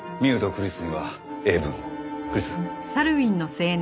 クリス。